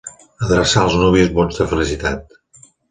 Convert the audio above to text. Adreçar als nuvis vots de felicitat.